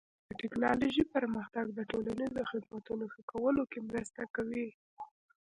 د ټکنالوژۍ پرمختګ د ټولنیزو خدمتونو ښه کولو کې مرسته کوي.